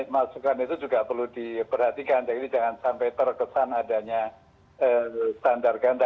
masukan itu juga perlu diperhatikan jadi jangan sampai terkesan adanya standar ganda